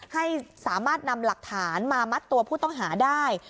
ให้สามารถนำหลักฐานมามัดตัวผู้ต้องหาได้